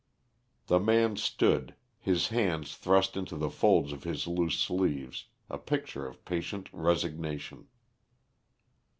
The man stood, his hands thrust into the folds of his loose sleeves, a picture of patient resignation.